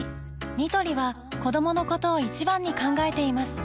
ニトリは子どものことを一番に考えています